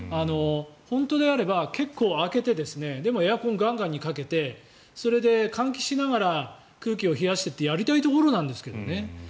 本当であれば結構、開けてでも、エアコンがんがんにかけてそれで換気しながら空気を冷やしてってやりたいところなんですけどね。